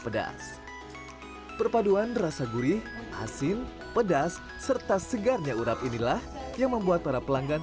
pedas perpaduan rasa gurih asin pedas serta segarnya urap inilah yang membuat para pelanggan